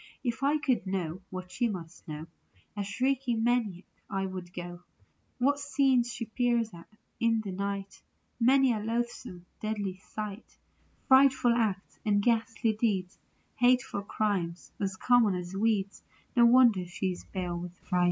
If I could know what she must know A shrieking maniac I would go. What scenes she peers at in the night ! Many a loathsome, deadly sight ; Frightful acts and ghastly deeds ; Hateful crimes as common as weeds ; No wonder she is pale with fright.